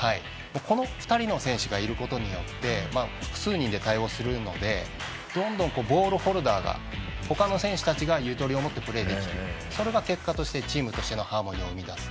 この２人の選手がいることによって複数人で対応するのでどんどんボールホルダーが他の選手たちがゆとりを持ってプレーできるそれが結果としてチームとしてのハーモニーを生み出す。